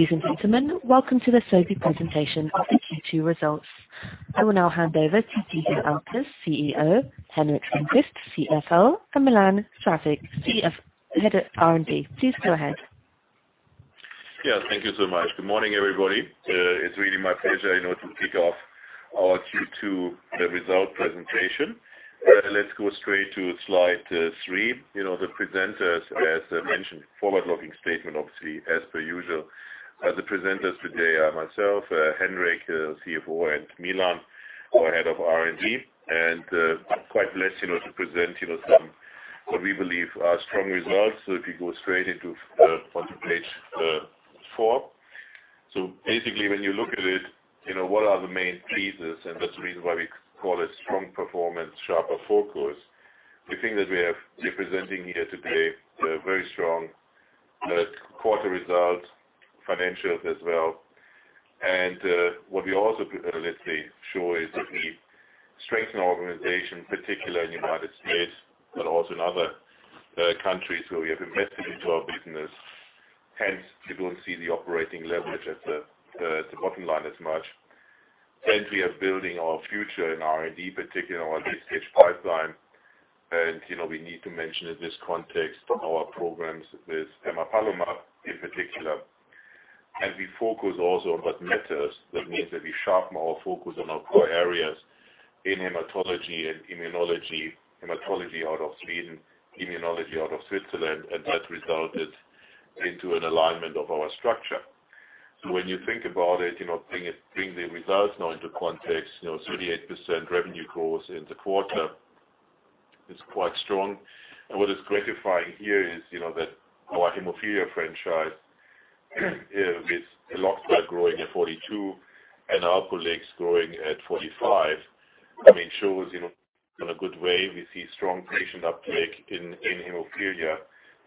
Ladies and gentlemen, welcome to the Sobi presentation of the Q2 results. I will now hand over to Guido Oelkers, CEO, Henrik Stenqvist, CFO, and Milan Zdravkovic, Head of R&D. Please go ahead. Yeah. Thank you so much. Good morning, everybody. It's really my pleasure to kick off our Q2, the result presentation. Let's go straight to slide three. The presenters, as mentioned, forward-looking statement, obviously, as per usual. The presenters today are myself, Henrik, CFO, and Milan, our Head of R&D. Quite blessed to present some what we believe are strong results. If you go straight onto page four. Basically, when you look at it, what are the main pieces? That's the reason why we call it strong performance, sharper focus. We think that we are presenting here today a very strong quarter result, financials as well. What we also let show is that we strengthen our organization, particularly in the United States, but also in other countries where we have invested into our business. Hence, you don't see the operating leverage at the bottom line as much. Hence, we are building our future in R&D, particularly on the stage pipeline. We need to mention in this context our programs with emapalumab in particular. We focus also on what matters. That means that we sharpen our focus on our core areas in hematology and immunology, hematology out of Sweden, immunology out of Switzerland, that resulted into an alignment of our structure. When you think about it, bring the results now into context, 38% revenue growth in the quarter is quite strong. What is gratifying here is that our hemophilia franchise with Elocta growing at 42 and Alprolix growing at 45, shows in a good way, we see strong patient uptake in hemophilia,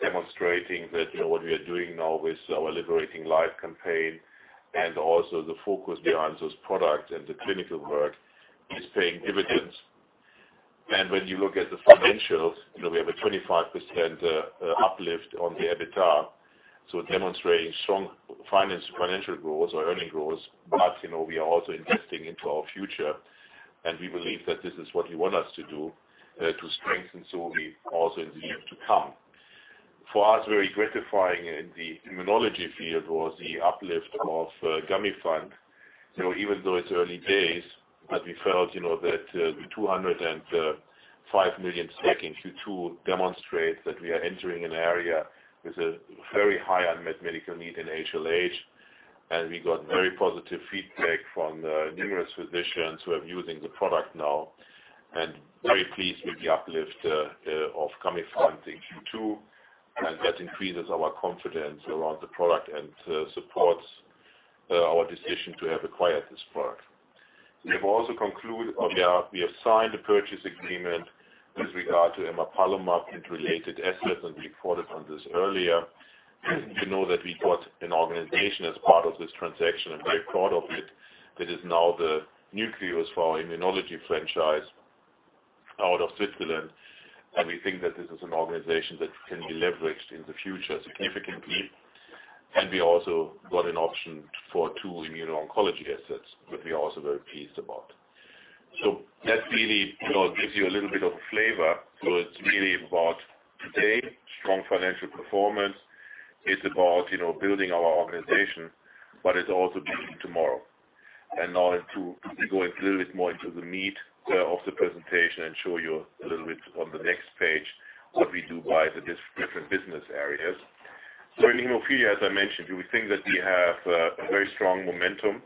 demonstrating that what we are doing now with our Liberating Life campaign and also the focus behind those products and the clinical work is paying dividends. When you look at the financials, we have a 25% uplift on the EBITDA, demonstrating strong financial growth or earning growth. We are also investing into our future, and we believe that this is what you want us to do, to strengthen Sobi also in the years to come. For us, very gratifying in the immunology field was the uplift of Gamifant. Even though it's early days, we felt that the 205 million in Q2 demonstrates that we are entering an area with a very high unmet medical need in HLH. We got very positive feedback from numerous physicians who are using the product now. Very pleased with the uplift of Gamifant in Q2, that increases our confidence around the product and supports our decision to have acquired this product. We have also concluded or we have signed a purchase agreement with regard to emapalumab and related assets. We reported on this earlier. You know that we got an organization as part of this transaction and very proud of it. That is now the nucleus for our immunology franchise out of Switzerland. We think that this is an organization that can be leveraged in the future significantly. We also got an option for two immuno-oncology assets, that we are also very pleased about. That really gives you a little bit of a flavor. It's really about today, strong financial performance. It's about building our organization, it's also building tomorrow. Now to go a little bit more into the meat of the presentation and show you a little bit on the next page, what we do by the different business areas. In hemophilia, as I mentioned, we think that we have a very strong momentum.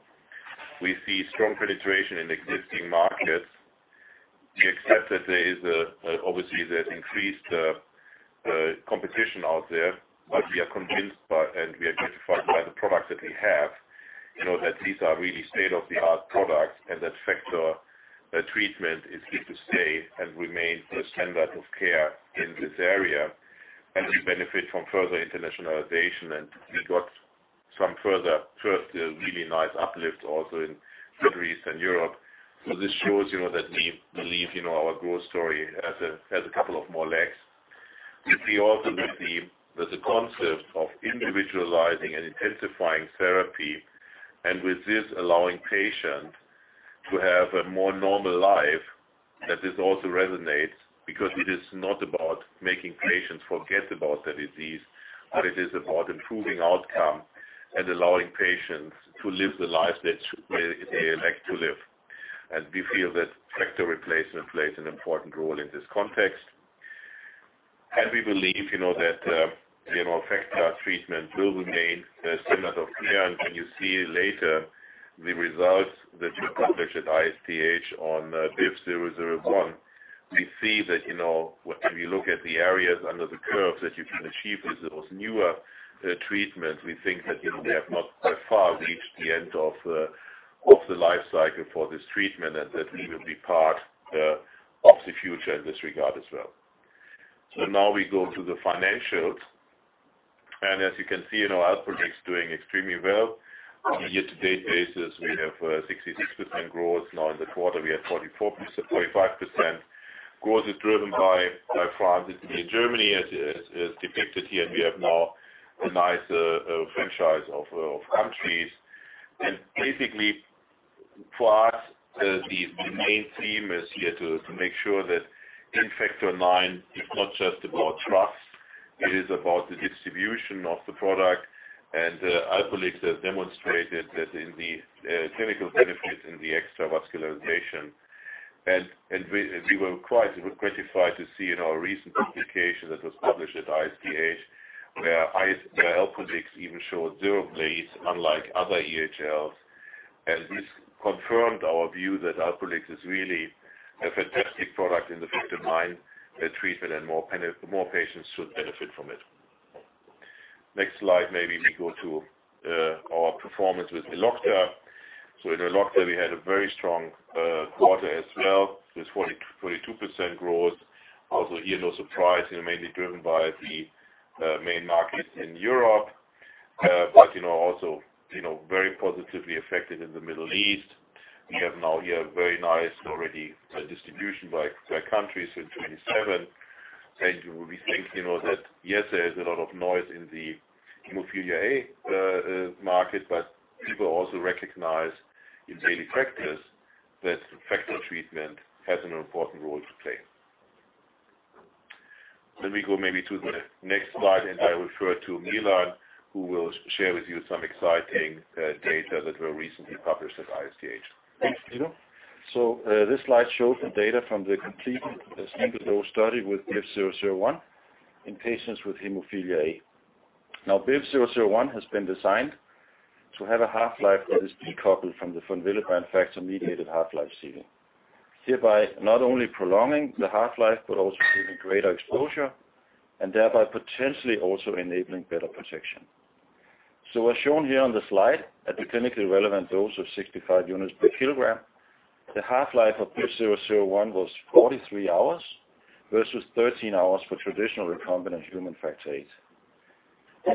We see strong penetration in existing markets. We accept that obviously, there's increased competition out there, we are convinced by and we are gratified by the products that we have, that these are really state-of-the-art products and that factor treatment is here to stay and remains the standard of care in this area. We benefit from further internationalization, and we got some further first really nice uplift also in Eastern Europe. This shows that we believe our growth story has a couple of more legs. We see also that the concept of individualizing and intensifying therapy, and with this allowing patient to have a more normal life, that this also resonates because it is not about making patients forget about the disease, it is about improving outcome and allowing patients to live the life that they like to live. We feel that factor replacement plays an important role in this context. We believe that factor treatment will remain the standard of care. When you see later the results that we published at ISTH on BIVV001, we see that when we look at the areas under the curves that you can achieve with those newer treatments, we think that we have not by far reached the end of the life cycle for this treatment and that we will be part of the future in this regard as well. Now we go to the financials. As you can see, Alprolix doing extremely well. On a year-to-date basis, we have 66% growth. Now in the quarter, we are 45%. Growth is driven by France. In Germany, as depicted here, we have now a nice franchise of countries. Basically, for us, the main theme is here to make sure that in factor IX, it is not just about trust, it is about the distribution of the product and Alprolix has demonstrated that in the clinical benefits in the extra vascularization. We were quite gratified to see in our recent publication that was published at ISTH, where Alprolix even showed zero bleeds, unlike other EHLs. This confirmed our view that Alprolix is really a fantastic product in the factor IX treatment, and more patients should benefit from it. Next slide. Maybe we go to our performance with Elocta. With Elocta, we had a very strong quarter as well, with 42% growth. Also here, no surprise, mainly driven by the main markets in Europe. Also very positively affected in the Middle East. We have now here very nice already distribution by countries in 27. We think that, yes, there is a lot of noise in the hemophilia A market, but people also recognize in daily practice that factor treatment has an important role to play. Let me go maybe to the next slide, and I refer to Milan, who will share with you some exciting data that were recently published at ISTH. Thanks, Guido. This slide shows the data from the completed single dose study with BIVV001 in patients with hemophilia A. Now, BIVV001 has been designed to have a half-life that is decoupled from the von Willebrand factor-mediated half-life ceiling. Hereby, not only prolonging the half-life, but also giving greater exposure, and thereby potentially also enabling better protection. As shown here on the slide, at the clinically relevant dose of 65 units per kilogram, the half-life of BIVV001 was 43 hours versus 13 hours for traditional recombinant human factor VIII.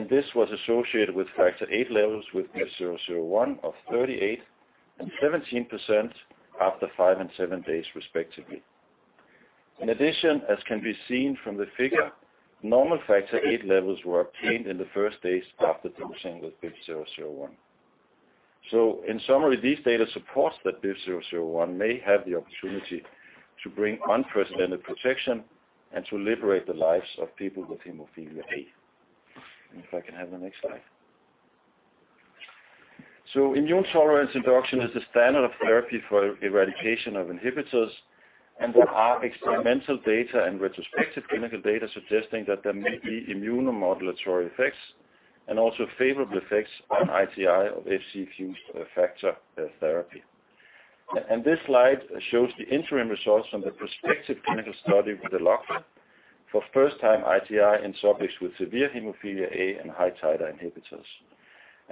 This was associated with factor VIII levels with BIVV001 of 38 and 17% after five and seven days, respectively. In addition, as can be seen from the figure, normal factor VIII levels were obtained in the first days after dosing with BIVV001. In summary, these data supports that BIVV001 may have the opportunity to bring unprecedented protection and to liberate the lives of people with hemophilia A. If I can have the next slide. Immune tolerance induction is the standard of therapy for eradication of inhibitors, and there are experimental data and retrospective clinical data suggesting that there may be immunomodulatory effects and also favorable effects on ITI of Fc fused factor therapy. This slide shows the interim results from the prospective clinical study with Elocta for first-time ITI in subjects with severe hemophilia A and high titer inhibitors.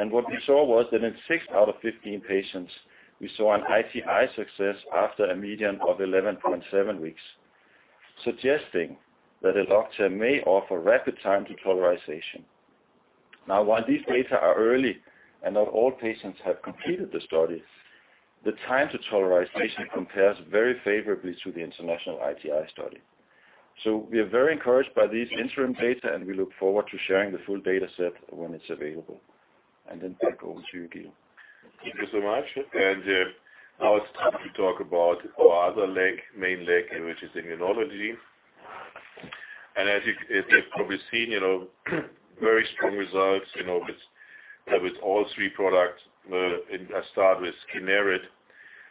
What we saw was that in six out of 15 patients, we saw an ITI success after a median of 11.7 weeks, suggesting that Elocta may offer rapid time to tolerization. While these data are early and not all patients have completed the study, the time to tolerization compares very favorably to the international ITI study. We are very encouraged by these interim data, and we look forward to sharing the full data set when it's available. Back over to you, Guido. Thank you so much. Now it's time to talk about our other leg, main leg, which is immunology. As you have probably seen, very strong results, with all three products. I start with Kineret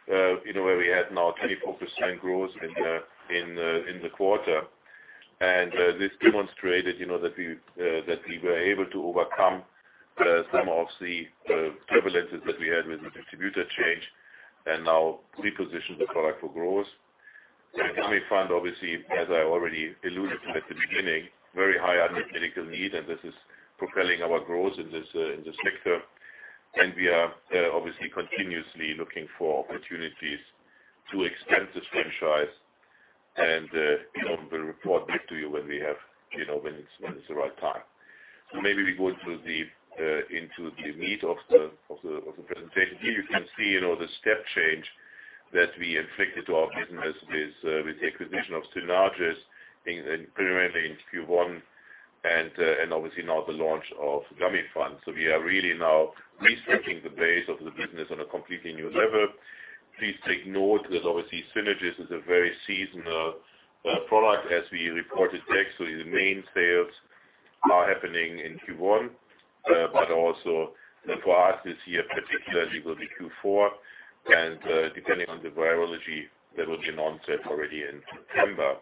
where we had now 24% growth in the quarter. This demonstrated that we were able to overcome some of the turbulences that we had with the distributor change and now reposition the product for growth. Gamifant, obviously, as I already alluded to at the beginning, very high unmet medical need, and this is propelling our growth in this sector. We are obviously continuously looking for opportunities to expand the franchise. We'll report back to you when it's the right time. Maybe we go into the meat of the presentation. Here you can see the step change that we inflicted to our business with the acquisition of Synagis preliminarily in Q1 and obviously now the launch of Gamifant. We are really now resetting the base of the business on a completely new level. Please take note that obviously Synagis is a very seasonal product as we reported. Actually, the main sales are happening in Q1. Also for us this year, particularly will be Q4. Depending on the virology, there will be an onset already in September.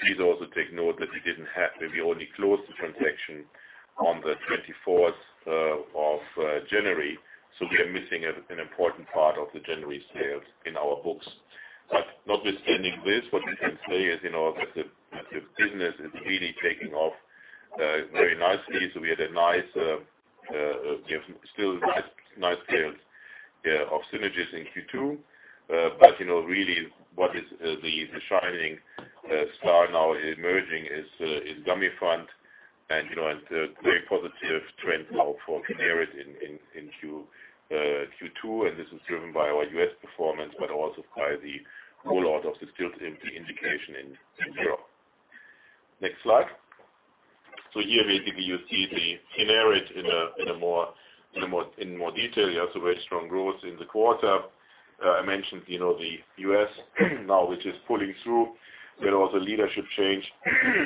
Please also take note that we only closed the transaction on the 24th of January, so we are missing an important part of the January sales in our books. Notwithstanding this, what we can say is that the business is really taking off very nicely. We had nice sales of Synagis in Q2. Really what is the shining star now emerging is Gamifant and the very positive trend now for Kineret in Q2, this is driven by our U.S. performance, but also by the rollout of the Still's disease indication in Europe. Next slide. Here, basically, you see the Kineret in more detail. You have the very strong growth in the quarter. I mentioned the U.S. now, which is pulling through. There was a leadership change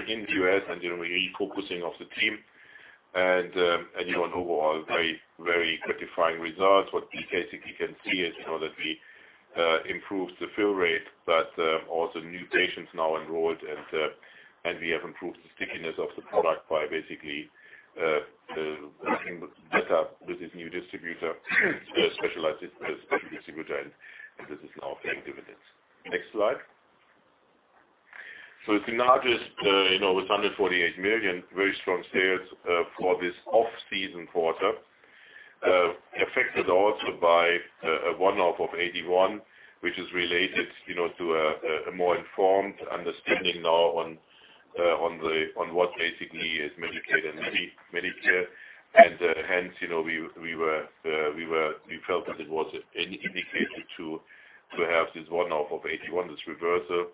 in the U.S. and a refocusing of the team. Overall very gratifying results. What we basically can see is that we improved the fill rate, but also new patients now enrolled, and we have improved the stickiness of the product by basically working better with this new distributor, specialized distributor, and this is now paying dividends. Next slide. It's the largest with 148 million, very strong sales for this off-season quarter. Affected also by a one-off of 81, which is related to a more informed understanding now on what basically is Medicaid and Medicare. Hence, we felt that it was an indication to have this one-off of 81 million, this reversal.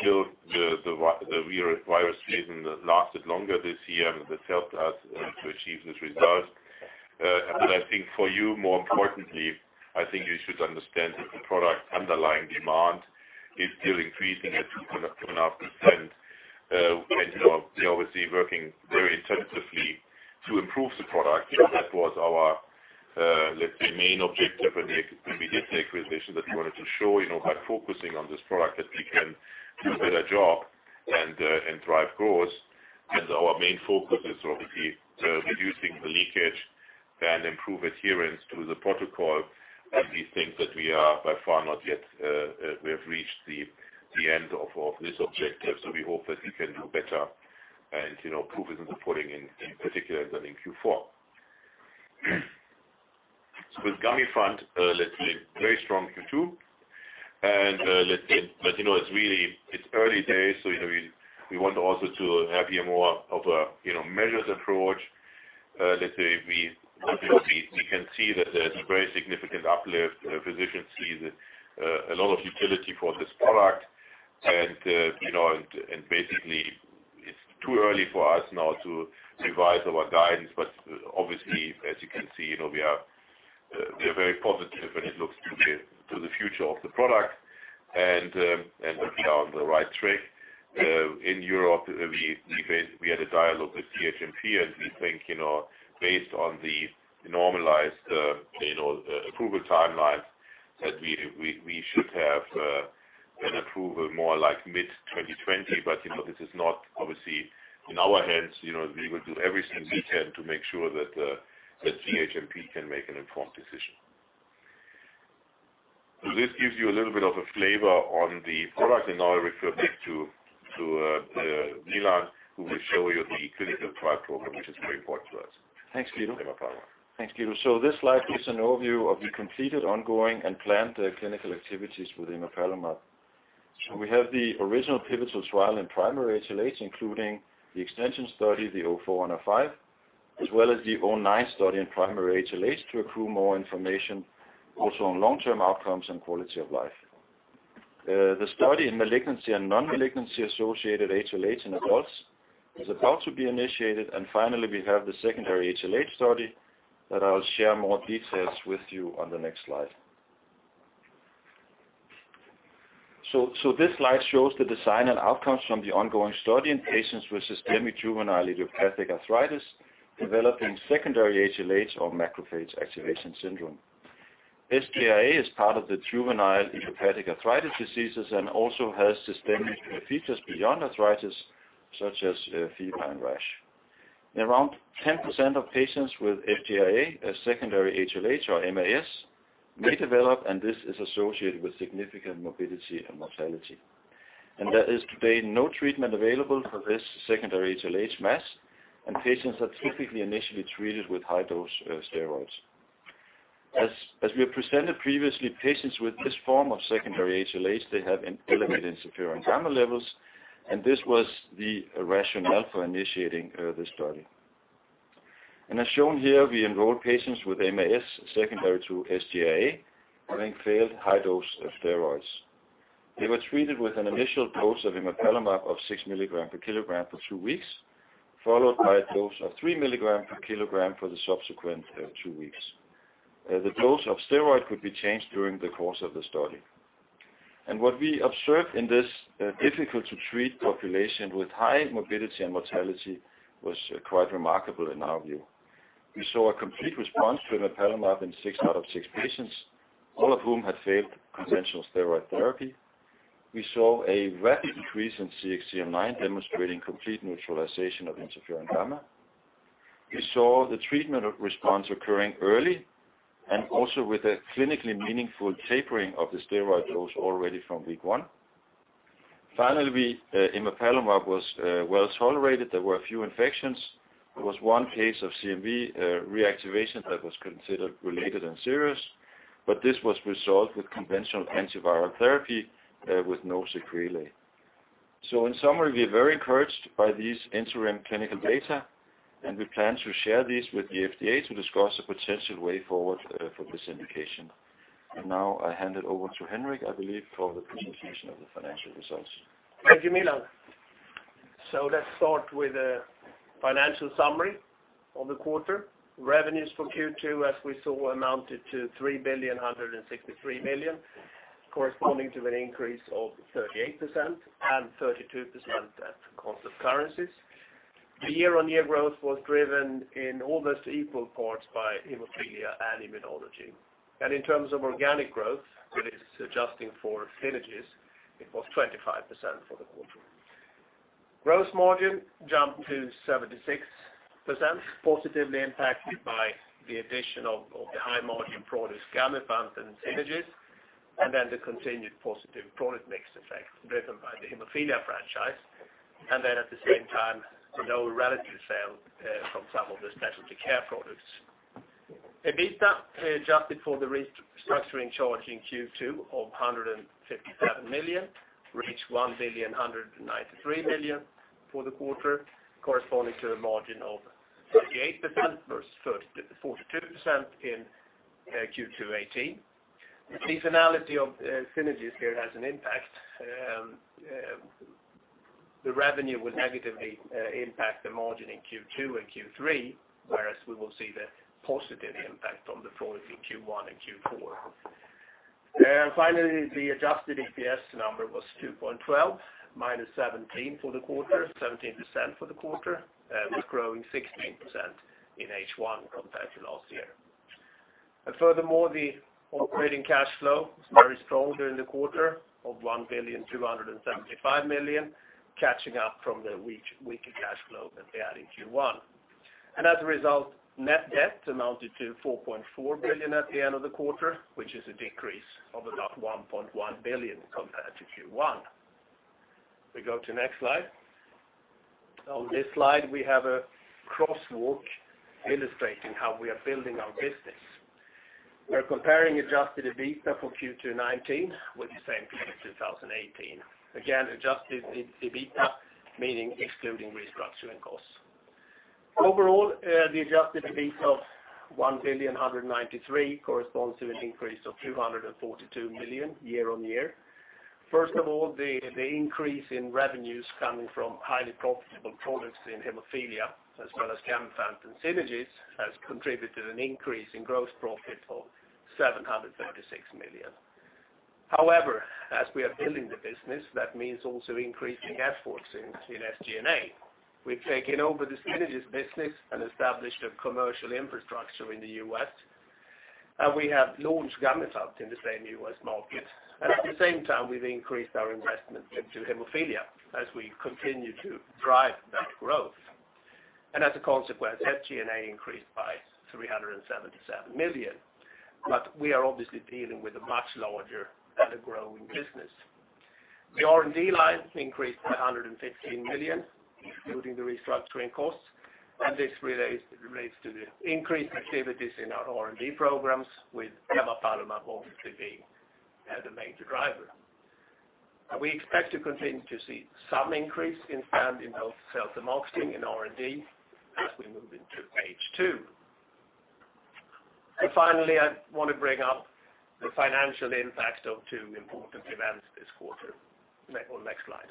Still, the viral season lasted longer this year, and this helped us to achieve this result. I think for you, more importantly, I think you should understand that the product underlying demand is still increasing at 2.5%. Obviously, working very intensively to improve the product. That was our, let's say, main objective when we did the acquisition, that we wanted to show by focusing on this product, that we can do a better job and drive growth. Our main focus is obviously reducing the leakage and improve adherence to the protocol. We think that we are by far not yet we have reached the end of this objective. We hope that we can do better. Proof is in the pudding in particular than in Q4. With Gamifant, let's say very strong Q2, but it's early days, so we want also to have here more of a measured approach. Let's say we can see that there is a very significant uplift. Physicians see that a lot of utility for this product. Basically, it's too early for us now to revise our guidance, but obviously, as you can see, we are very positive, and it looks to the future of the product, and we are on the right track. In Europe, we had a dialogue with CHMP, and we think, based on the normalized approval timeline, that we should have an approval more like mid-2020. This is not obviously in our hands. We will do everything we can to make sure that CHMP can make an informed decision. This gives you a little bit of a flavor on the product, and now I refer back to Milan, who will show you the clinical trial program, which is very important to us. Thanks, Guido. Over to you, Milan. Thanks, Guido. This slide gives an overview of the completed, ongoing, and planned clinical activities with emapalumab. We have the original pivotal trial in primary HLH, including the extension study, the 04 and 05, as well as the 09 study in primary HLH to accrue more information also on long-term outcomes and quality of life. The study in malignancy and non-malignancy associated HLH in adults is about to be initiated. Finally, we have the secondary HLH study that I'll share more details with you on the next slide. This slide shows the design and outcomes from the ongoing study in patients with systemic juvenile idiopathic arthritis developing secondary HLH or macrophage activation syndrome. sJIA is part of the juvenile idiopathic arthritis diseases and also has systemic features beyond arthritis, such as fever and rash. Around 10% of patients with sJIA, a secondary HLH or MAS, may develop, and this is associated with significant morbidity and mortality. There is today no treatment available for this secondary HLH, MAS, and patients are typically initially treated with high-dose steroids. As we have presented previously, patients with this form of secondary HLH, they have an elevated interferon gamma levels, and this was the rationale for initiating this study. As shown here, we enrolled patients with MAS secondary to sJIA, having failed high dose of steroids. They were treated with an initial dose of emapalumab of 6 mg/kg for two weeks, followed by a dose of 3 mg/kg for the subsequent two weeks. The dose of steroid could be changed during the course of the study. What we observed in this difficult-to-treat population with high morbidity and mortality was quite remarkable in our view. We saw a complete response to emapalumab in six out of six patients, all of whom had failed conventional steroid therapy. We saw a rapid decrease in CXCL9, demonstrating complete neutralization of interferon gamma. We saw the treatment response occurring early and also with a clinically meaningful tapering of the steroid dose already from week one. Finally, emapalumab was well-tolerated. There were a few infections. There was one case of CMV reactivation that was considered related and serious, but this was resolved with conventional antiviral therapy with no sequelae. In summary, we are very encouraged by these interim clinical data, and we plan to share these with the FDA to discuss a potential way forward for this indication. I hand it over to Henrik, I believe, for the presentation of the financial results. Thank you, Milan. Let's start with a financial summary of the quarter. Revenues for Q2, as we saw, amounted to 3.163 billion, corresponding to an increase of 38% and 32% at constant currencies. The year-on-year growth was driven in almost equal parts by hemophilia and immunology. In terms of organic growth, that is adjusting for Synagis, it was 25% for the quarter. Gross margin jumped to 76%, positively impacted by the addition of the high-margin products Gamifant and Synagis, the continued positive product mix effect driven by the hemophilia franchise. At the same time, a lower revenue sale from some of the specialty care products. EBITDA adjusted for the restructuring charge in Q2 of 157 million, reached 1.193 billion for the quarter, corresponding to a margin of 38% versus 42% in Q2 2018. The finality of Synagis here has an impact. The revenue will negatively impact the margin in Q2 and Q3, whereas we will see the positive impact on the product in Q1 and Q4. Finally, the Adjusted EPS number was 2.12, -17% for the quarter, and we're growing 16% in H1 compared to last year. Furthermore, the operating cash flow was very strong during the quarter of 1.275 billion, catching up from the weaker cash flow that we had in Q1. As a result, net debt amounted to 4.4 billion at the end of the quarter, which is a decrease of about 1.1 billion compared to Q1. We go to next slide. On this slide, we have a crosswalk illustrating how we are building our business. We're comparing Adjusted EBITDA for Q2 2019 with the same period 2018. Again, Adjusted EBITDA, meaning excluding restructuring costs. Overall, the Adjusted EBITDA of 1.193 billion corresponds to an increase of 242 million year-on-year. First of all, the increase in revenues coming from highly profitable products in hemophilia, as well as Gamifant and Synagis, has contributed an increase in gross profit of 736 million. However, as we are building the business, that means also increasing efforts in SG&A. We've taken over the Synagis business and established a commercial infrastructure in the U.S., and we have launched Gamifant in the same U.S. market. At the same time, we've increased our investment into hemophilia as we continue to drive that growth. As a consequence, SG&A increased by 377 million. We are obviously dealing with a much larger and a growing business. The R&D line increased by 115 million, including the restructuring costs, and this relates to the increased activities in our R&D programs with emapalumab obviously being the major driver. We expect to continue to see some increase in spend in both cell and marketing and R&D as we move into H2. Finally, I want to bring up the financial impacts of two important events this quarter. On next slide.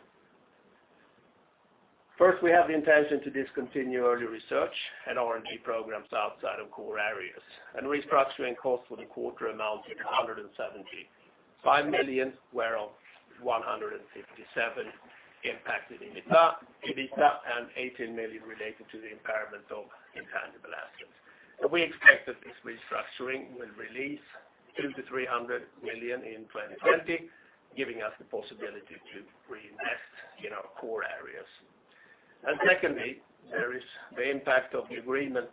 First, we have the intention to discontinue early research and R&D programs outside of core areas. Restructuring costs for the quarter amounted to 175 million, whereof 157 million impacted EBITDA, and 18 million related to the impairment of intangible assets. We expect that this restructuring will release 200 million-300 million in 2020, giving us the possibility to reinvest in our core areas. Secondly, there is the impact of the agreement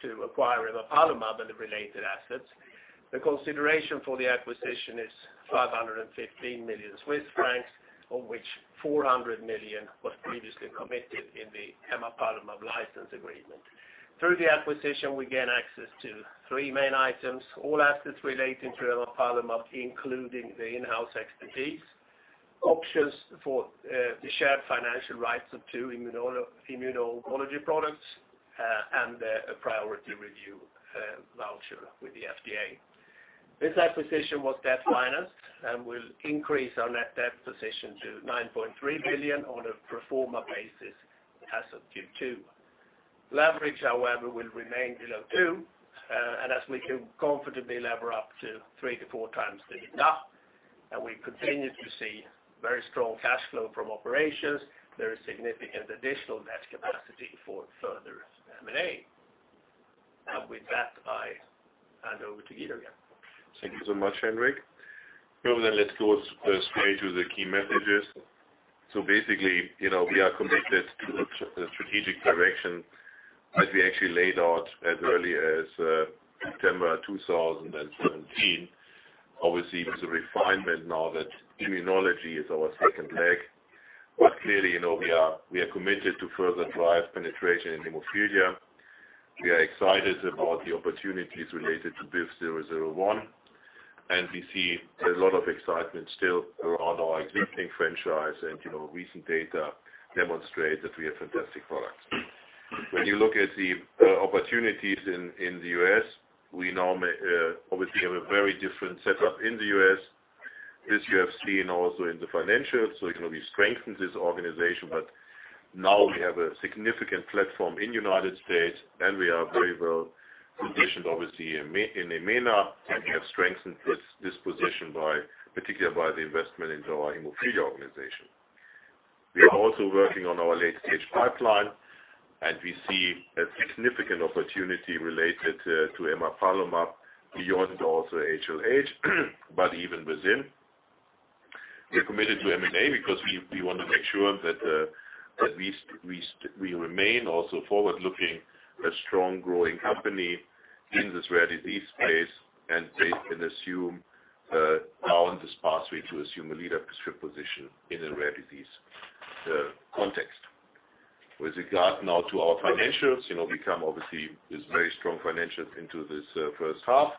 to acquire emapalumab and the related assets. The consideration for the acquisition is 515 million Swiss francs, of which 400 million was previously committed in the emapalumab license agreement. Through the acquisition, we gain access to three main items, all assets relating to emapalumab, including the in-house expertise, options for the shared financial rights of two immuno-oncology products, and a priority review voucher with the FDA. This acquisition was debt-financed and will increase our net debt position to 9.3 billion on a pro forma basis as of Q2. Leverage, however, will remain below two, as we can comfortably lever up to three to 4x the EBITDA, and we continue to see very strong cash flow from operations, there is significant additional net capacity for further M&A. With that, I hand over to Guido again. Thank you so much, Henrik. Let's go straight to the key messages. Basically, we are committed to the strategic direction. As we actually laid out as early as September 2017, obviously, with the refinement now that immunology is our second leg. Clearly, we are committed to further drive penetration in hemophilia. We are excited about the opportunities related to BIVV001, and we see a lot of excitement still around our existing franchise, and recent data demonstrate that we have fantastic products. When you look at the opportunities in the U.S., we obviously have a very different setup in the U.S. This you have seen also in the financials. We strengthened this organization, but now we have a significant platform in the United States, and we are very well positioned, obviously, in EMENA, and we have strengthened this position, particularly, by the investment into our hemophilia organization. We are also working on our late-stage pipeline, we see a significant opportunity related to emapalumab beyond also HLH, but even within. We're committed to M&A because we want to make sure that we remain also forward-looking, a strong, growing company in this rare disease space, we can assume now in this pathway to assume a leadership position in a rare disease context. With regard now to our financials, we come, obviously, with very strong financials into this first half.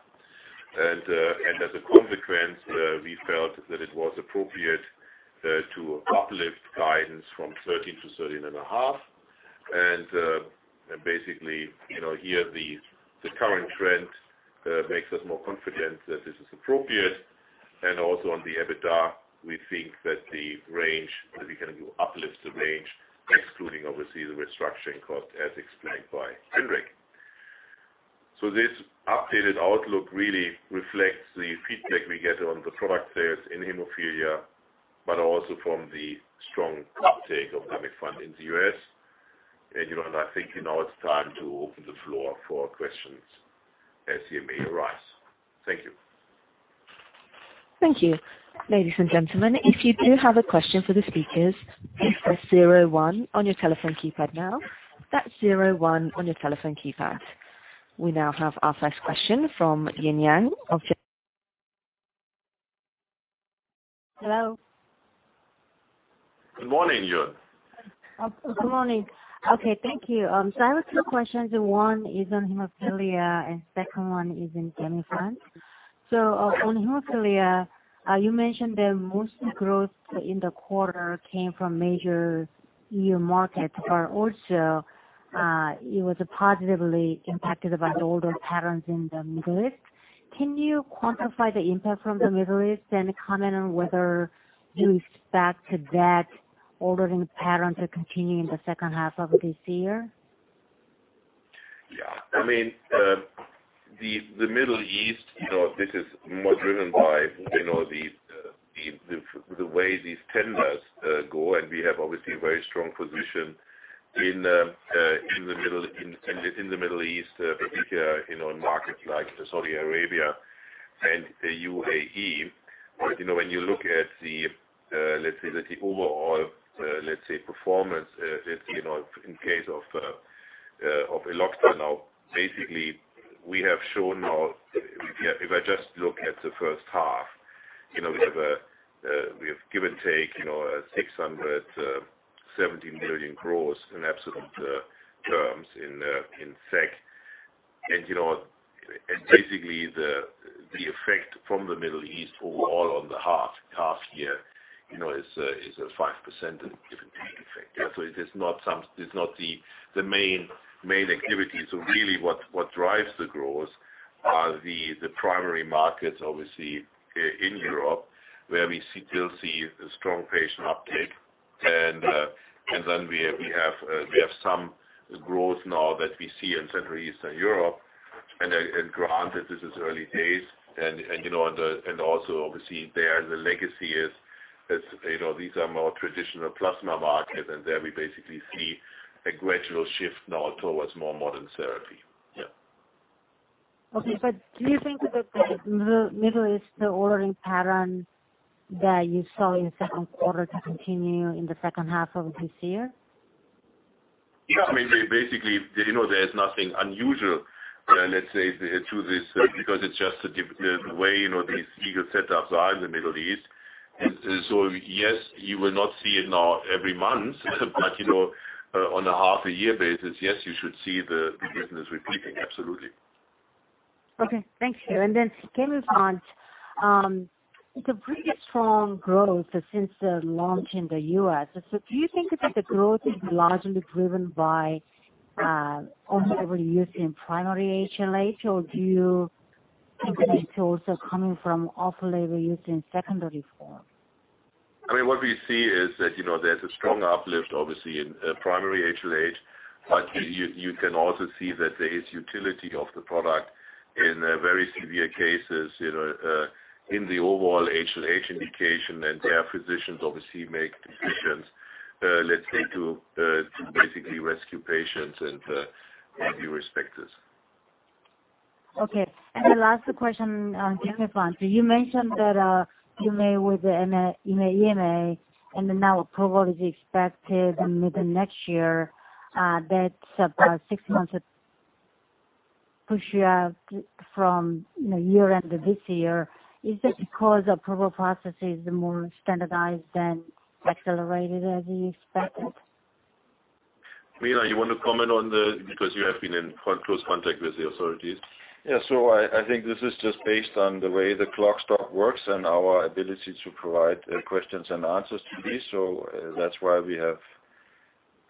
As a consequence, we felt that it was appropriate to uplift guidance from 13 billion-13.5 billion. Basically, here, the current trend makes us more confident that this is appropriate. Also on the EBITDA, we think that we can uplift the range, excluding, obviously, the restructuring cost, as explained by Henrik. This updated outlook really reflects the feedback we get on the product sales in hemophilia, but also from the strong uptake of Gamifant in the U.S. I think now it's time to open the floor for questions as they may arise. Thank you. Thank you. Ladies and gentlemen, if you do have a question for the speakers, press zero one on your telephone keypad now. That's zero one on your telephone keypad. We now have our first question from Eun Yang of Jefferies. Hello. Good morning, Eun. Good morning. Thank you. I have two questions. One is on hemophilia and second one is in Gamifant. On hemophilia, you mentioned that most growth in the quarter came from major EU markets, but also it was positively impacted by the ordering patterns in the Middle East. Can you quantify the impact from the Middle East and comment on whether you expect that ordering pattern to continue in the second half of this year? Yeah. The Middle East, this is more driven by the way these tenders go, and we have, obviously, a very strong position in the Middle East, particularly, in markets like Saudi Arabia and the UAE. When you look at the overall performance in case of Elocta now, basically, we have shown now, if I just look at the first half, we have, give and take, 670 million gross in absolute terms. Basically, the effect from the Middle East overall on the half year is a 5% effect. It's not the main activity. Really what drives the growth are the primary markets, obviously, in Europe, where we still see a strong patient uptake. Then we have some growth now that we see in Central Eastern Europe, and granted, this is early days. Also, obviously, there, the legacy is these are more traditional plasma markets, and there we basically see a gradual shift now towards more modern therapy. Yeah. Okay. Do you think that the Middle East ordering pattern that you saw in the second quarter to continue in the second half of this year? Basically, there is nothing unusual, let's say, to this because it is just the way these legal setups are in the Middle East. Yes, you will not see it now every month, but on a half-a-year basis, yes, you should see the business repeating. Absolutely. Okay. Thank you. Gamifant. The pretty strong growth since the launch in the U.S. Do you think that the growth is largely driven by off-label use in primary HLH, or do you think that it is also coming from off-label use in secondary form? What we see is that there is a strong uplift, obviously, in primary HLH. You can also see that there is utility of the product in very severe cases in the overall HLH indication, and there physicians obviously make decisions, let's say, to basically rescue patients and with due respect to this. Okay. The last question on Gamifant. You mentioned that you met with the EMA, now approval is expected in mid next year. That is about six months push from year-end of this year. Is that because approval process is more standardized than accelerated as you expected? Milan, you want to comment. Because you have been in close contact with the authorities. Yeah. I think this is just based on the way the clock stop works and our ability to provide questions and answers to these. That's why we have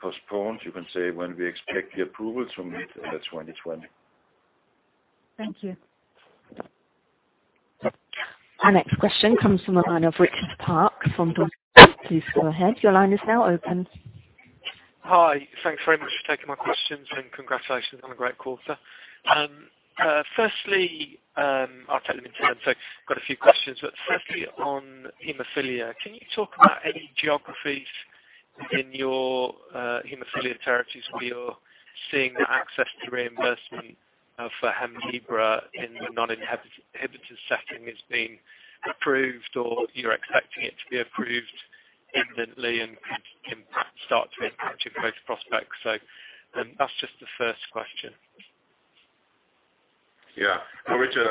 postponed, you can say, when we expect the approvals from mid-2020. Thank you. Our next question comes from the line of Richard Parkes from Deutsche Bank. Please go ahead. Your line is now open. Hi. Thanks very much for taking my questions, and congratulations on a great quarter. Firstly, I'll take them in turn. Got a few questions. Firstly, on hemophilia, can you talk about any geographies in your hemophilia territories where you're seeing the access to reimbursement of Hemlibra in the non-inhibitor setting as being approved, or you're expecting it to be approved imminently and can start to impact your close prospects? That's just the first question. Yeah. Richard,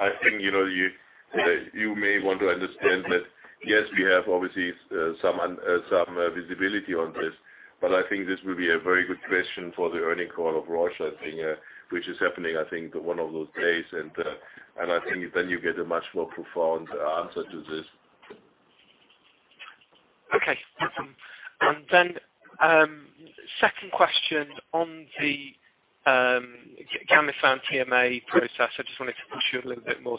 I think you may want to understand that, yes, we have obviously some visibility on this, but I think this will be a very good question for the earning call of Roche, which is happening one of those days. I think then you get a much more profound answer to this. Okay. No problem. Then second question on the Gamifant EMA process. I just wanted to push you a little bit more.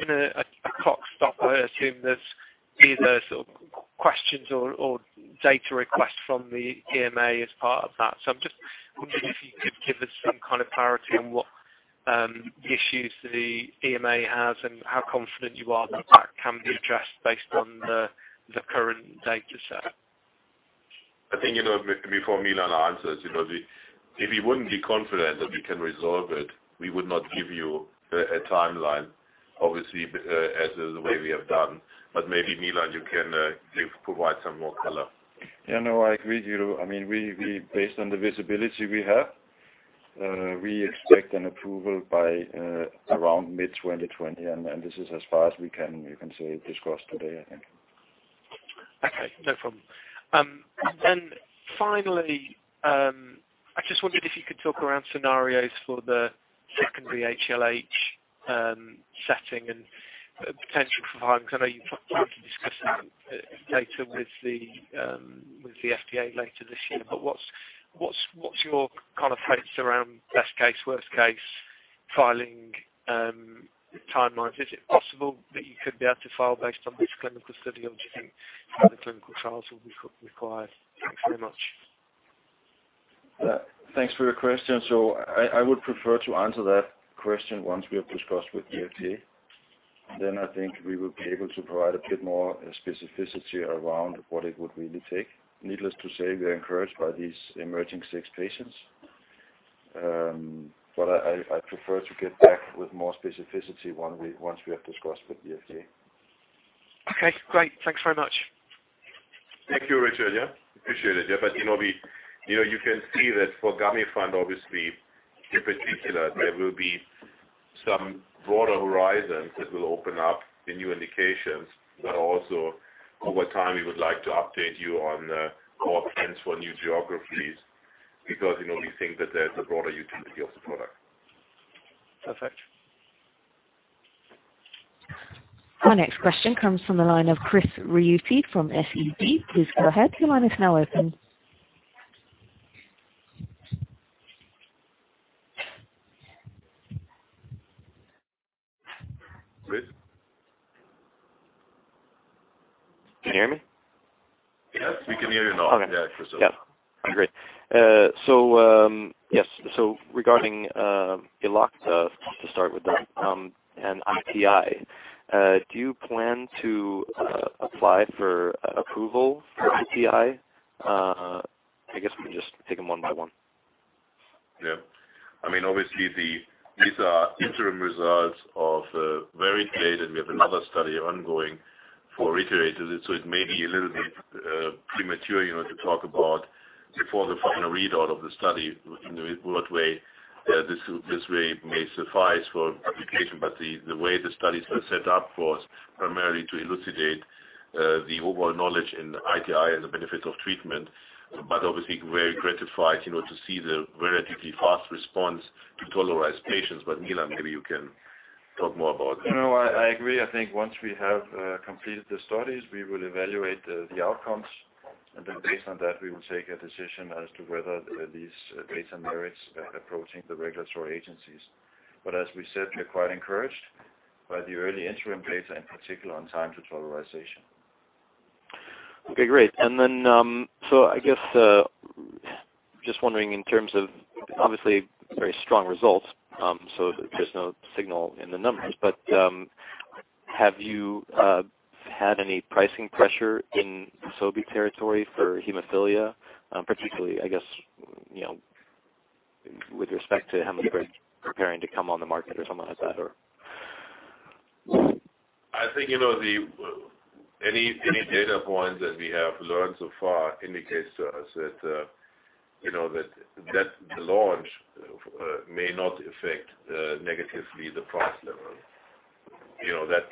In a clock stop, I assume there's either sort of questions or data requests from the EMA as part of that. I'm just wondering if you could give us some kind of clarity on what issues the EMA has and how confident you are that that can be addressed based on the current data set. I think, before Milan answers, if we wouldn't be confident that we can resolve it, we would not give you a timeline, obviously, as the way we have done. Maybe, Milan, you can provide some more color. Yeah, no, I agree, Guido. Based on the visibility we have, we expect an approval by around mid-2020, and this is as far as we can discuss today, I think. Okay, no problem. Finally, I just wondered if you could talk around scenarios for the secondary HLH setting and potential for filings. I know you plan to discuss that data with the FDA later this year. What's your kind of thoughts around best case, worst case filing timelines? Is it possible that you could be able to file based on this clinical study, or do you think further clinical trials will be required? Thanks very much. Thanks for your question. I would prefer to answer that question once we have discussed with the FDA. I think we will be able to provide a bit more specificity around what it would really take. Needless to say, we are encouraged by these emerging six patients. I prefer to get back with more specificity once we have discussed with the FDA. Okay, great. Thanks very much. Thank you, Richard. Yeah. Appreciate it. You can see that for Gamifant, obviously, in particular, there will be some broader horizons that will open up the new indications. Also, over time, we would like to update you on our plans for new geographies because we think that there's a broader utility of the product. Perfect. Our next question comes from the line of Chris Riuti from SEB. Please go ahead. Your line is now open. Chris? Can you hear me? Yes, we can hear you now. Okay. Yeah, Chris. Yeah. Great. Regarding Elocta, to start with that, and ITI, do you plan to apply for approval for ITI? I guess we can just take them one by one. Yeah. Obviously, these are interim results of verITI-8, and we have another study ongoing for reiterative. It may be a little bit premature to talk about before the final readout of the study in what way this way may suffice for publication. The way the studies were set up was primarily to elucidate the overall knowledge in ITI and the benefit of treatment. Obviously, very gratified to see the relatively fast response to tolerize patients. Milan, maybe you can talk more about that. No, I agree. I think once we have completed the studies, we will evaluate the outcomes. Then based on that, we will take a decision as to whether these data merits approaching the regulatory agencies. As we said, we are quite encouraged by the early interim data, in particular on time to tolerization. Okay, great. I guess, just wondering in terms of, obviously very strong results, so there's no signal in the numbers. Have you had any pricing pressure in Sobi territory for hemophilia? Particularly, I guess, with respect to how much they're preparing to come on the market or something like that. I think any data point that we have learned so far indicates to us that the launch may not affect negatively the price level.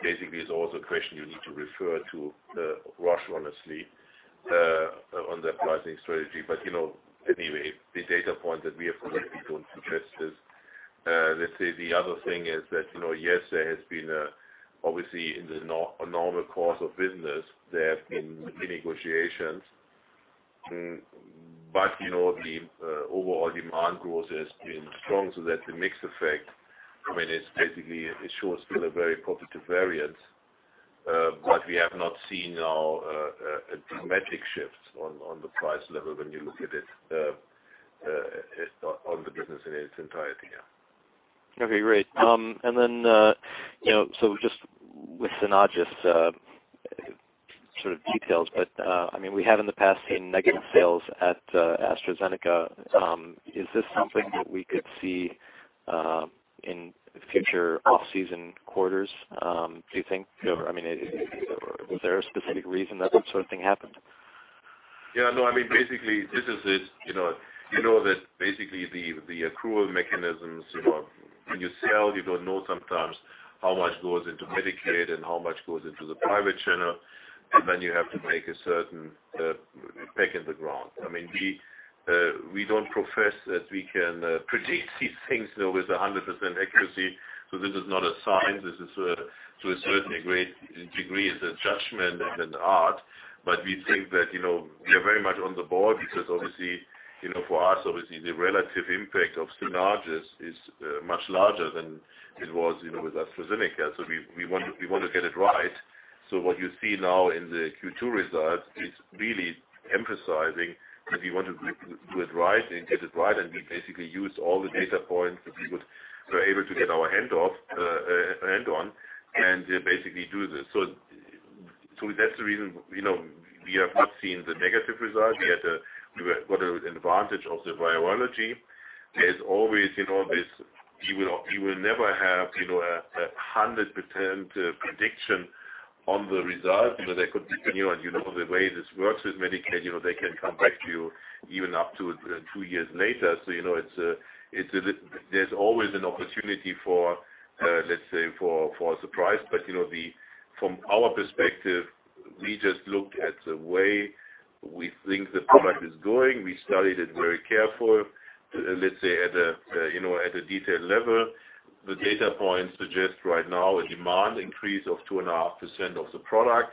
Basically is also a question you need to refer to Roche, honestly, on their pricing strategy. Anyway, the data point that we have collected don't suggest this. Let's say the other thing is that, yes, there has been, obviously, in the normal course of business, there have been renegotiations. The overall demand growth has been strong so that the mix effect, it basically shows still a very positive variance. We have not seen now a dramatic shift on the price level when you look at it on the business in its entirety, yeah. Okay, great. Just with Synagis sort of details, we have in the past seen negative sales at AstraZeneca. Is this something that we could see in future off-season quarters, do you think? Is there a specific reason that sort of thing happened? Yeah. No, basically, this is it. You know that basically the accrual mechanisms, when you sell, you don't know sometimes how much goes into Medicaid and how much goes into the private channel, and then you have to make a certain peg in the ground. We don't profess that we can predict these things though with 100% accuracy. This is not a science. This is to a certain degree, is a judgment and an art. We think that we are very much on the ball because obviously, for us, obviously, the relative impact of Synagis is much larger than it was with AstraZeneca. We want to get it right. What you see now in the Q2 results is really emphasizing that we want to do it right and get it right, and we basically use all the data points that we were able to get our hand on and basically do this. That's the reason we have not seen the negative result, yet we got an advantage of the virology. There's always this, you will never have a 100% prediction on the result. They could continue, and you know the way this works with Medicaid, they can come back to you even up to two years later. There's always an opportunity for, let's say, for a surprise. From our perspective, we just looked at the way we think the product is going. We studied it very carefully, let's say, at a detailed level. The data points suggest right now a demand increase of 2.5% of the product.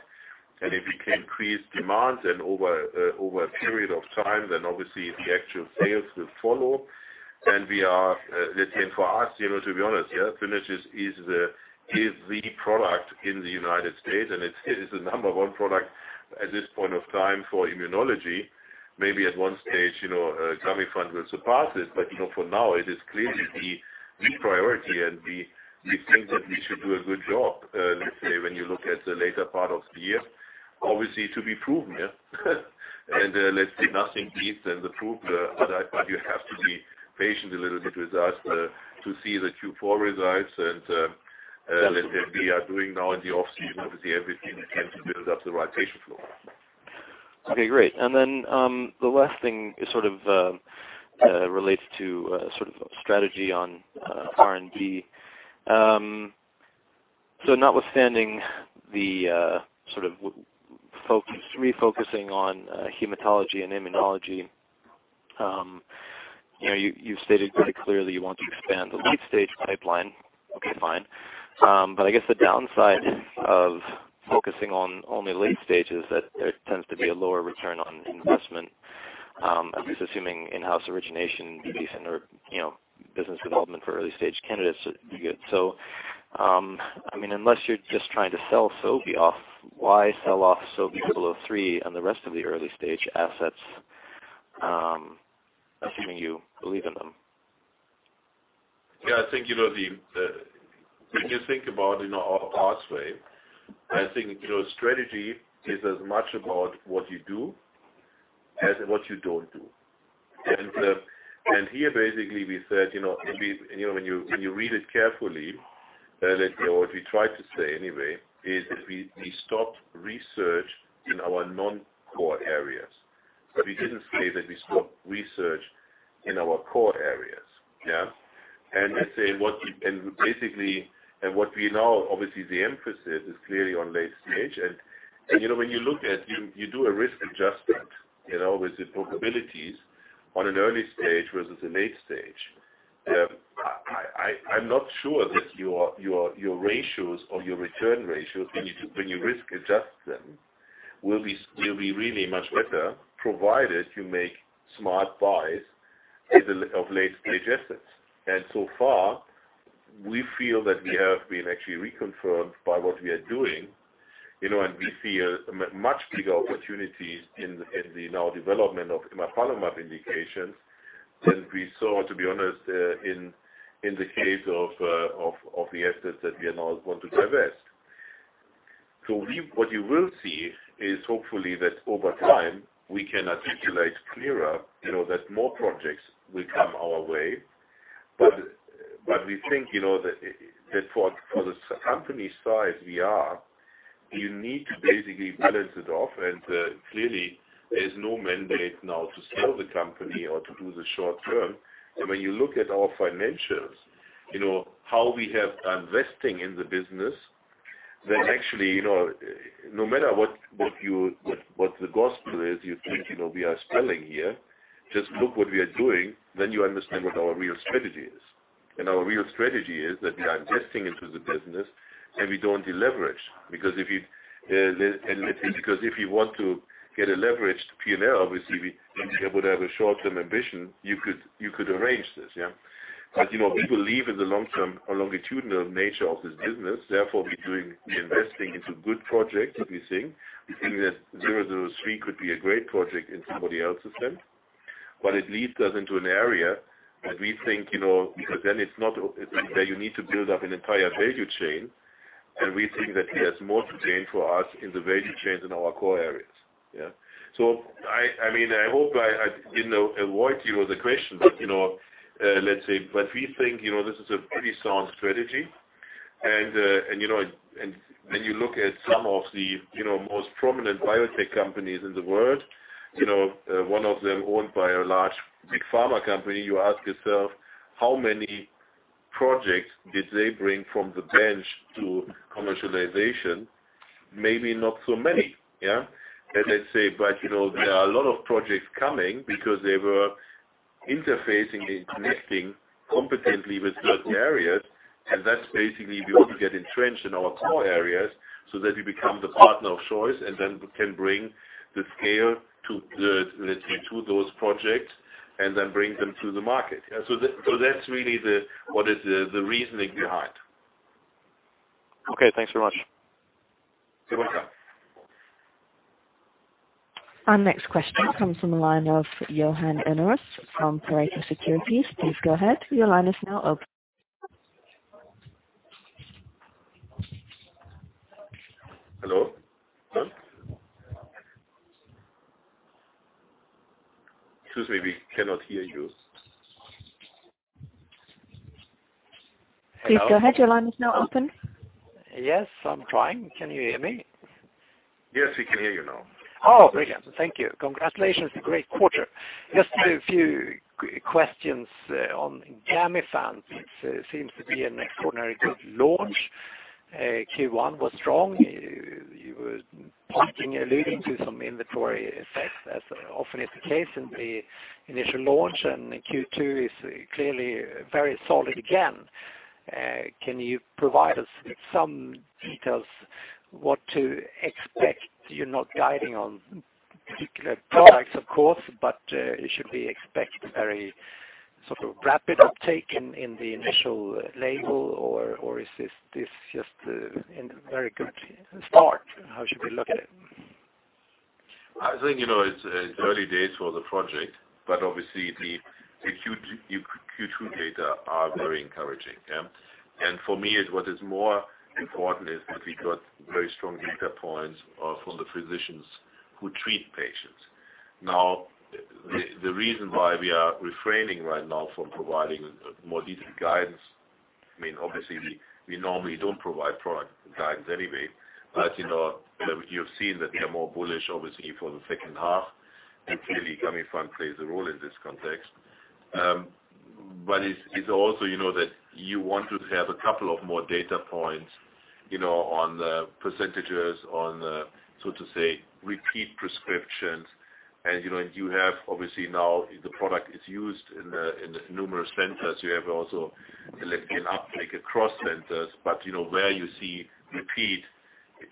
And if we can increase demand over a period of time, then obviously the actual sales will follow. And for us, to be honest, Synagis is the product in the United States, and it is the number one product at this point of time for immunology. Maybe at one stage, Gamifant will surpass it. But, for now, it is clearly the priority, and we think that we should do a good job, let's say, when you look at the later part of the year. Obviously, to be proven. And let's say nothing beats than the proof, but you have to be patient a little bit with us to see the Q4 results. And let's say we are doing now in the off-season, obviously, everything we can to build up the right patient flow. Okay. Great. The last thing is sort of related to sort of strategy on R&D. So notwithstanding the sort of refocusing on Hematology and Immunology, you've stated very clearly you want to expand the late-stage pipeline, okay, fine. But I guess the downside of focusing on the late stages that there tends to be lower return on investment, assuming in-house origination, business development for early-stage candidates. So I mean unless you're just trying to sell Sobi off, why sell off SOBI003 and the rest of of the early-stage assets assuming you believe in them? Yeah. When you think about our pathway, I think strategy is as much about what you do as what you don't do. Here, basically, we said, when you read it carefully, let's say, or we try to say anyway, is we stopped research in our non-core areas, but we didn't say that we stopped research in our core areas. Yeah. Let's say, basically, what we now, obviously, the emphasis is clearly on late stage. When you look at, you do a risk adjustment, with the probabilities on an early stage versus a late stage. I'm not sure that your ratios or your return ratios, when you risk adjust them, will be really much better, provided you make smart buys of late-stage assets. So far, we feel that we have been actually reconfirmed by what we are doing. We see a much bigger opportunity in the now development of emapalumab indications than we saw, to be honest, in the case of the assets that we are now going to divest. What you will see is hopefully that over time, we can articulate clearer that more projects will come our way. We think that for the company size we are, you need to basically balance it off, and clearly, there is no mandate now to sell the company or to do the short term. When you look at our financials, how we have investing in the business, then actually, no matter what the gospel is you think we are selling here, just look what we are doing, then you understand what our real strategy is. Our real strategy is that we are investing into the business, and we don't deleverage. Because if you want to get a leveraged P&L, obviously, we would have a short-term ambition. You could arrange this, yeah. We believe in the long-term or longitudinal nature of this business. Therefore, we're doing investing into good projects, we think. We think that SOBI003 could be a great project in somebody else's system. It leads us into an area that we think, because then you need to build up an entire value chain, and we think that there's more to gain for us in the value chains in our core areas. Yeah. I hope I didn't avoid the question. We think this is a pretty sound strategy. When you look at some of the most prominent biotech companies in the world, one of them owned by a large, big pharma company, you ask yourself, how many projects did they bring from the bench to commercialization? Maybe not so many, yeah. Let's say, there are a lot of projects coming because they were interfacing and connecting competently with certain areas, and that's basically we want to get entrenched in our core areas so that we become the partner of choice and then can bring the scale, let's say, to those projects, and then bring them to the market. Yeah. That's really what is the reasoning behind. Okay, thanks very much. You're welcome. Our next question comes from the line of Johan Unnérus from Pareto Securities. Please go ahead. Your line is now open. Hello? Excuse me, we cannot hear you. Please go ahead. Your line is now open. Yes, I'm trying. Can you hear me? Yes, we can hear you now. Oh, brilliant. Thank you. Congratulations. Great quarter. Just a few questions on Gamifant. It seems to be an extraordinarily good launch. Q1 was strong. You were alluding to some inventory effect, as often is the case in the initial launch. Q2 is clearly very solid again. Can you provide us with some details what to expect? You're not guiding on particular products, of course, but should we expect very rapid uptake in the initial label, or is this just a very good start? How should we look at it? I think it's early days for the project, but obviously, the Q2 data are very encouraging. For me, what is more important is that we got very strong data points from the physicians who treat patients. Now, the reason why we are refraining right now from providing more detailed guidance, obviously, we normally don't provide product guidance anyway. You've seen that we are more bullish, obviously, for the second half, and clearly, Gamifant plays a role in this context. It's also that you want to have a couple of more data points on the percentages, on the, so to say, repeat prescriptions. You have, obviously, now the product is used in numerous centers. You have also an uptake across centers. Where you see repeat,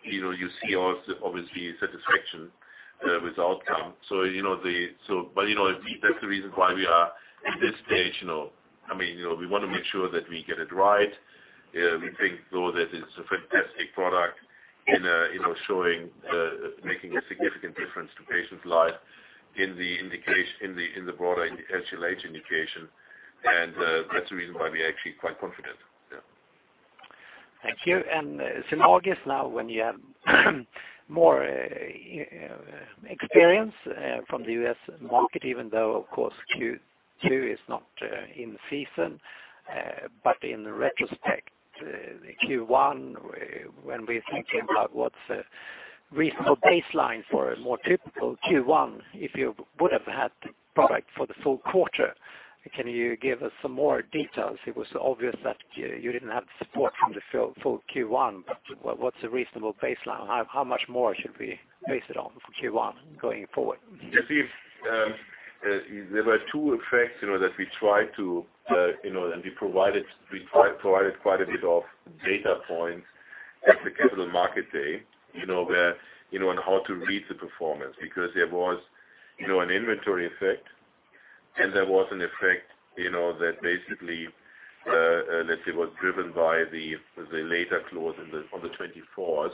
you see also obviously satisfaction with outcome. That's the reason why we are at this stage. We want to make sure that we get it right. We think, though, that it's a fantastic product in making a significant difference to patients' lives in the broader HLH indication, and that's the reason why we're actually quite confident. Yeah. Thank you. Synagis, now, when you have more experience from the U.S. market, even though, of course, Q2 is not in season. In retrospect, Q1, when we're thinking about what's a reasonable baseline for a more typical Q1, if you would have had the product for the full quarter, can you give us some more details? It was obvious that you didn't have the support from the full Q1, what's a reasonable baseline? How much more should we base it on for Q1 going forward? You see, there were two effects that we tried to provide quite a bit of data points at the Capital Market Day, on how to read the performance. Because there was an inventory effect and there was an effect that basically, let's say, was driven by the later close on the 24th.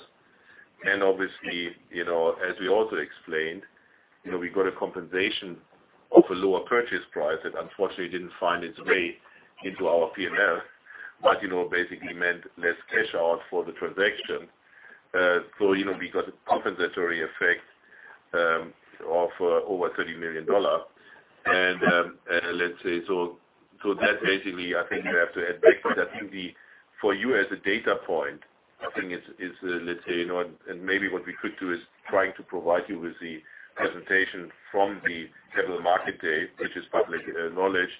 Obviously, as we also explained, we got a compensation of a lower purchase price that unfortunately didn't find its way into our P&L, but basically meant less cash out for the transaction. We got a compensatory effect of over $30 million. Let's say, that basically I think you have to add back. I think for you as a data point, I think, let's say, and maybe what we could do is trying to provide you with the presentation from the Capital Market Day, which is public knowledge.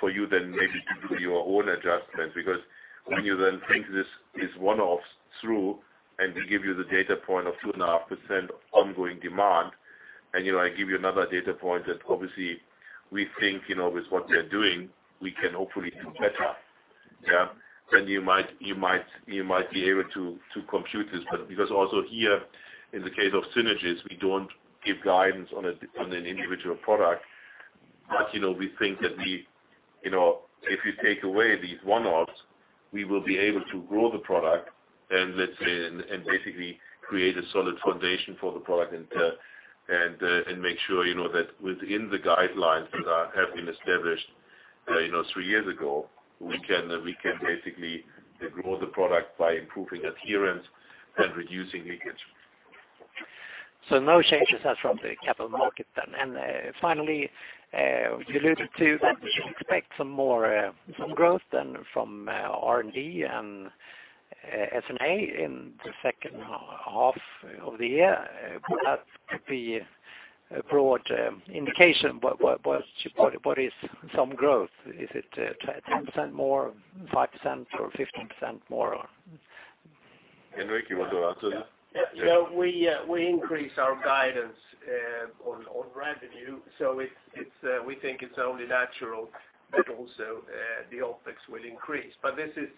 For you then maybe to do your own adjustment, because when you then think this is one-offs through and we give you the data point of 2.5% ongoing demand, and I give you another data point that obviously we think, with what we are doing, we can hopefully do better. Yeah. You might be able to compute this. Also here, in the case of Synagis, we don't give guidance on an individual product. We think that if you take away these one-offs, we will be able to grow the product and basically create a solid foundation for the product and make sure that within the guidelines that have been established three years ago, we can basically grow the product by improving adherence and reducing leakage. No changes there from the capital market then. Finally, you alluded to that we should expect some growth then from R&D and SG&A in the second half of the year. That could be a broad indication. What is some growth? Is it 10% more, 5%, or 15% more? Henrik, you want to answer this? Yeah. We increased our guidance on revenue. We think it's only natural that also the OpEx will increase. This is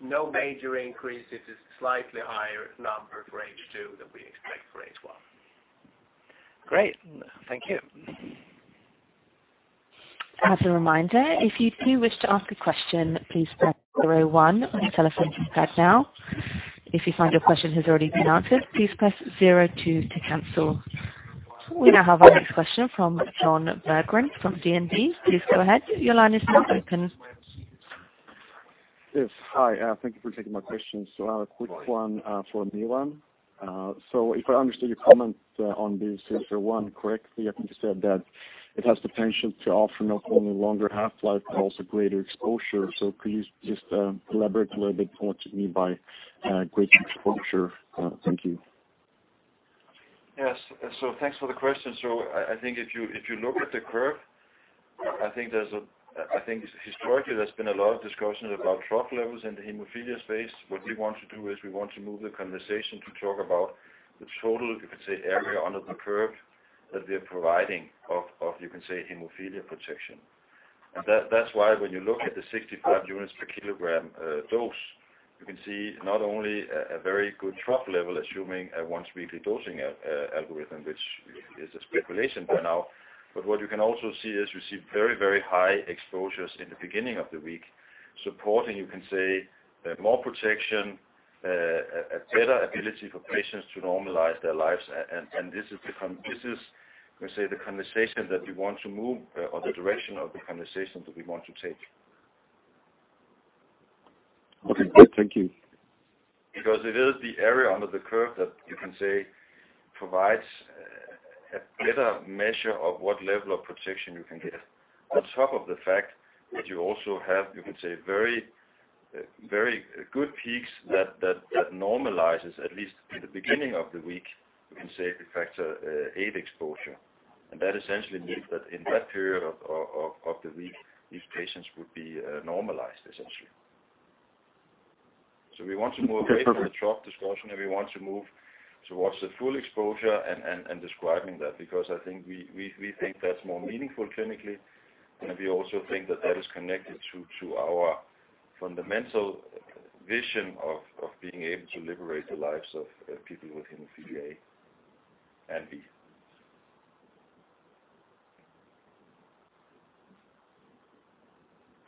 no major increase. It is slightly higher number for H2 than we expect for H1. Great. Thank you. As a reminder, if you do wish to ask a question, please press zero one on your telephone keypad now. If you find your question has already been answered, please press zero two to cancel. We now have our next question from Jon Berggren from DNB. Please go ahead. Your line is now open. Yes. Hi. Thank you for taking my questions. I have a quick one for Milan. If I understood your comment on BIVV001 correctly, I think you said that it has the potential to offer not only longer half-life but also greater exposure. Please just elaborate a little bit on what you mean by greater exposure. Thank you. Yes. Thanks for the question. I think if you look at the curve, I think historically there's been a lot of discussions about trough levels in the hemophilia space. What we want to do is we want to move the conversation to talk about the total, you could say, area under the curve that we are providing of hemophilia protection. That's why when you look at the 65 units per kilogram dose, you can see not only a very good trough level, assuming a once-weekly dosing algorithm, which is a speculation for now, but what you can also see is you see very high exposures in the beginning of the week supporting more protection, a better ability for patients to normalize their lives. This is the conversation that we want to move or the direction of the conversation that we want to take. Okay, good. Thank you. It is the area under the curve that you can say provides a better measure of what level of protection you can get. On top of the fact that you also have very good peaks that normalizes, at least in the beginning of the week, you can say the factor VIII exposure. That essentially means that in that period of the week, these patients would be normalized essentially. We want to move away from the trough discussion, and we want to move towards the full exposure and describing that, because we think that's more meaningful clinically. We also think that that is connected to our fundamental vision of being able to liberate the lives of people with hemophilia A and B.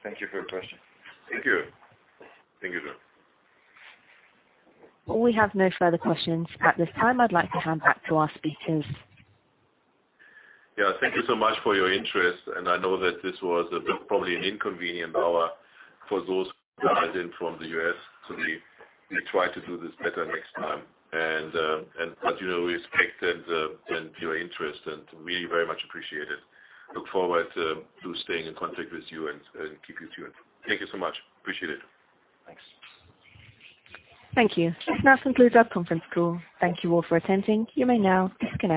Thank you for your question. Thank you. Thank you, Jon. We have no further questions. At this time, I'd like to hand back to our speakers. Thank you so much for your interest, I know that this was probably an inconvenient hour for those dialed in from the U.S. We try to do this better next time. We respect your interest, and we very much appreciate it. Look forward to staying in contact with you and keep you tuned. Thank you so much. Appreciate it. Thanks. Thank you. This now concludes our conference call. Thank you all for attending. You may now disconnect.